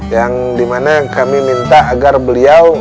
yang dimana kami minta agar beliau